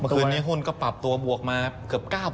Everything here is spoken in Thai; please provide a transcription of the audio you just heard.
เมื่อคืนนี้หุ้นก็ปรับตัวบวกมาเกือบ๙นะครับ